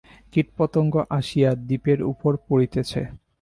কীটপতঙ্গ আসিয়া দীপের উপর পড়িতেছে।